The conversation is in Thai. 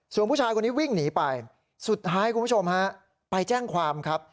ส่วนผู้ชายคนนี้วิ่งหนีไปสุดท้ายคุณผู้ชมฮะไปแจ้งความครับ